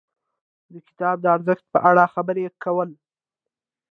د کتاب د ارزښت په اړه خبرې کول.